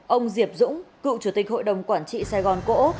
ông diệp dũng cựu chủ tịch hội đồng quản trị sài gòn cộ